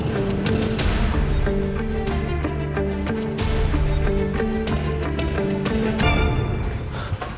aku mau ke tempat yang lebih luas